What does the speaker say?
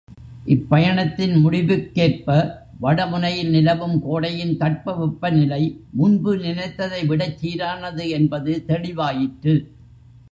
இப் பயணத்தின் முடிவுக்கேற்ப, வடமுனையில் நிலவும் கோடையின் தட்ப வெப்ப நிலை முன்பு நினைத்ததைவிடச் சீரானது என்பது தெளிவாயிற்று.